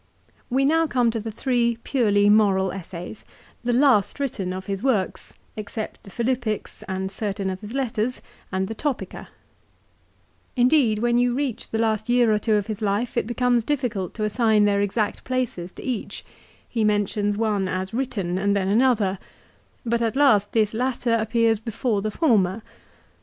We now come to the three purely moral essays, the last written of his works, except the Philippics and certain of 1 De Legibus, lib. iii. ca. ix. and x. 2 Ibid. lib. iii. xvii. 380 LIFE OF CICERO. his letters, and the " Topica." Indeed when you reach the last year or two of his life, it becomes difficult to assign their exact places to each. He mentions one as written, and then another; but at last this latter appears before the former.